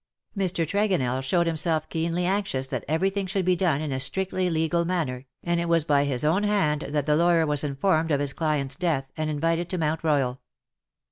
^^DUST TO DUST." 63 Mr. Tregonell showed himself keenly anxious that everything should be done in a strictly legal manner, and it was by his own hand that the lawyer was informed of his client^s death, and invited to Mount Royal.